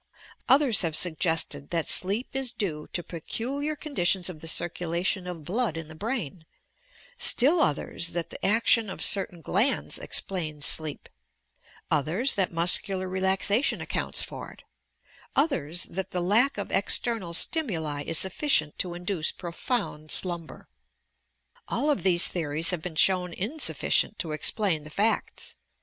Others have suggested that sleep is due to peculiar conditions of the circulation of blood in the brain; still others that the action of certain glands explains sleep; others that muscular relaxation accounts tor it; others that the lack of external stimuli is suffi cient to induce profound slumber. All of these theories have been shown insufficient to explain the facta.